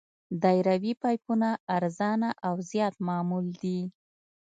دایروي پایپونه ارزانه او زیات معمول دي